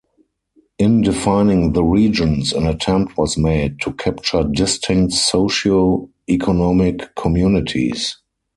In defining the regions, an attempt was made to capture distinct socio-economic communities.